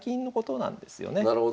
なるほど。